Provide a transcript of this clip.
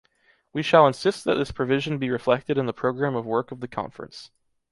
We shall insist that this provision be reflected in the program of work of the Conference.